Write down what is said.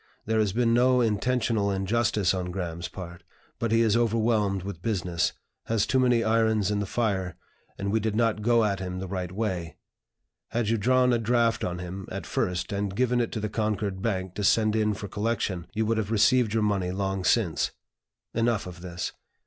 There has been no intentional injustice on Graham's part; but he is overwhelmed with business, has too many irons in the fire, and we did not go at him the right way. Had you drawn a draft on him, at first, and given it to the Concord Bank to send in for collection, you would have received your money long since. Enough of this.